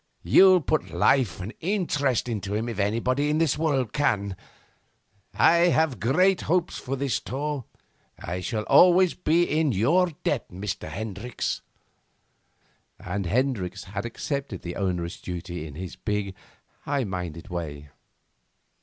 You'll put life and interest into him if anybody in this world can. I have great hopes of this tour. I shall always be in your debt, Mr. Hendricks.' And Hendricks had accepted the onerous duty in his big, high minded way.